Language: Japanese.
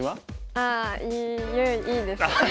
ああいいです。